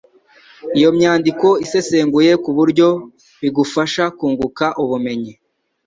Iyo myandiko isesenguye ku buryo bigufasha kunguka ubumenyi